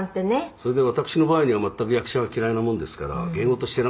「それで私の場合には全く役者は嫌いなもんですから芸事していなかったんで」